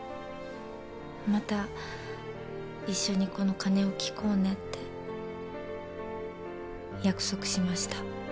また一緒にこの鐘を聞こうねって約束しました。